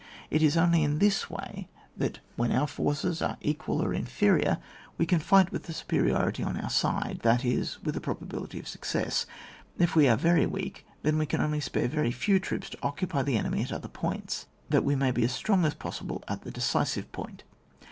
It is only in this way that when our forces are equal or infe rior, we can fight with the superiority on our side, that is, with a probability of success. If we are very weak, then we can only spare very few troops to occupy the enemy at other points, that we may be as strong as possible at the decisive point.